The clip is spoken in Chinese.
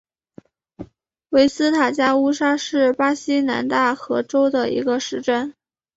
维斯塔加乌沙是巴西南大河州的一个市镇。